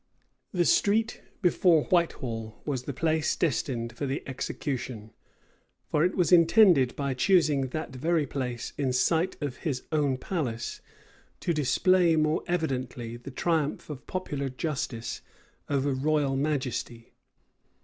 The street before Whitehall was the place destined for the execution; for it was intended, by choosing that very place, in sight of his own palace, to display more evidently the triumph of popular justice over royal majesty.